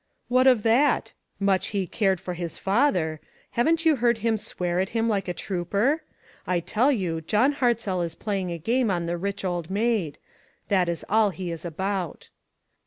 " What of that ? Much he cared for his father ! Haven't you heard him swear at him like a trooper? I tell you, John Hart zell is playing a game on the rich old maid; that is all he is about."